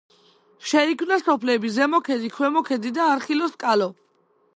შეიქმნა სოფლები: ზემო ქედი, ქვემო ქედი და არხილოსკალო.